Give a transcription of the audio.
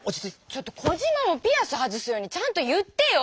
ちょっとコジマもピアス外すようにちゃんと言ってよ！